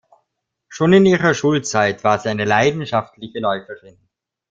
Schon in ihrer Schulzeit war sie eine leidenschaftliche Läuferin.